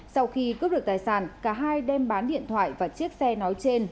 sau khi cướp được tài sản cả hai đem bán điện thoại và chiếc xe nói trên